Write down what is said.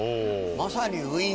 まさに。